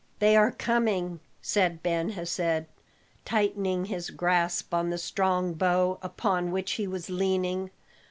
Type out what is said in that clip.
"They are coming!" said Ben Hesed, tightening his grasp on the strong bow upon which he was leaning.